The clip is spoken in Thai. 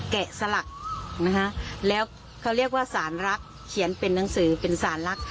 สลักนะคะแล้วเขาเรียกว่าสารรักเขียนเป็นหนังสือเป็นสารลักษ